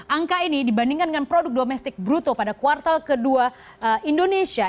angka ini dibandingkan dengan produk domestik bruto pada kuartal kedua indonesia